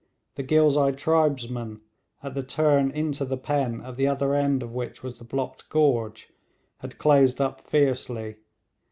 The Ghilzai tribesmen, at the turn into the pen at the other end of which was the blocked gorge, had closed up fiercely.